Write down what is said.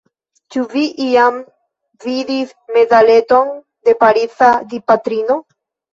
Ĉu vi iam vidis medaleton de Pariza Dipatrino?